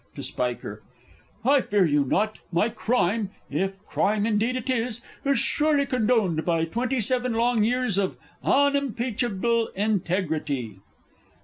(To SPIKER.) I fear you not; my crime if crime indeed it was is surely condoned by twenty seven long years of unimpeachable integrity!